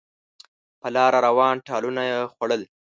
په لاره روان ټالونه یې خوړل